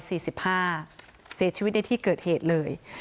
เสียชีวิตในที่เกิดเหตุเลย